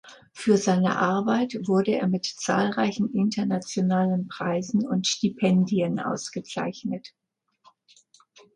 Für seine Arbeit wurde er mit zahlreichen internationalen Preisen und Stipendien ausgezeichnet.